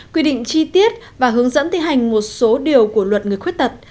quy định chi tiết và hướng dẫn thi hành một số điều của luật người khuyết tật